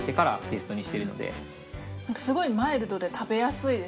すごいマイルドで食べやすいです。